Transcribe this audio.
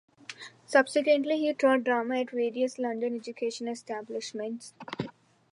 Subsequently he taught drama at various London education establishments.